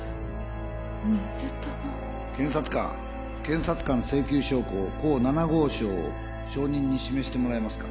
水玉検察官検察官請求証拠甲７号証を証人に示してもらえますか？